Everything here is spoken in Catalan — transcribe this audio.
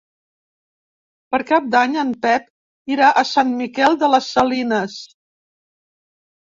Per Cap d'Any en Pep irà a Sant Miquel de les Salines.